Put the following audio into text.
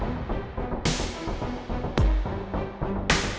handphone saya sekarang di bawa sama ibu